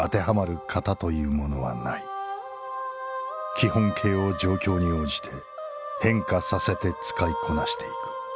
基本型を状況に応じて変化させて使いこなして行く。